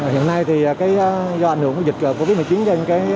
hiện nay do ảnh hưởng của dịch covid một mươi chín